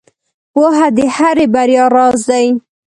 • پوهه د هرې بریا راز دی.